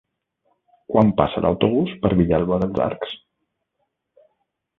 Quan passa l'autobús per Vilalba dels Arcs?